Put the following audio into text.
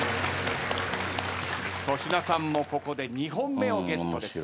粗品さんもここで２本目をゲットです。